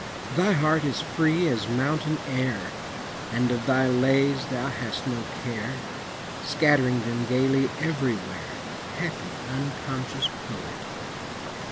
Thy heart is free as mountain air, And of thy lays thou hast no care, Scattering them gayly everywhere, Happy, unconscious poet!